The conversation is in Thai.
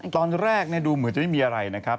ตอนแรกดูเหมือนจะไม่มีอะไรนะครับ